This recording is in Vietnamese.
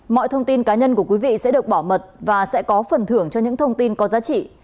mọi thông tin cá nhân của quý vị sẽ được bảo mật và sẽ có phần thưởng cho những thông tin có giá trị